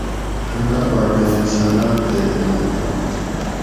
اللّہ پاکاۤں احسانات تے انعامات: